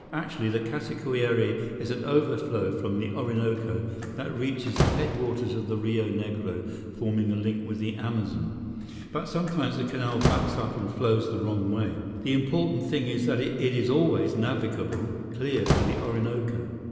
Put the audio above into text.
"Actually, the Casiquiare is an overflow from the Orinoco that reaches the headwaters of the Rio Negro, forming a link with the Amazon. But sometimes the canal backs up and flows the wrong way. The important thing is that it is always navigable, clear to the Orinoco."